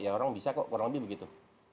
ya orang bisa kok kurang lebih begitu